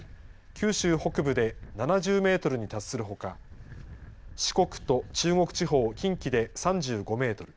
九州北部で７０メートルに達するほか四国と中国地方近畿で３５メートル。